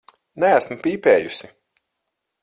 Neesmu pīpējusi.